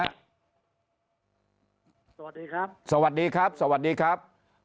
สวัสดีครับสวัสดีครับสวัสดีครับ